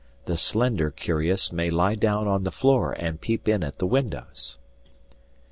The slender curious may lie down on the floor and peep in at the windows.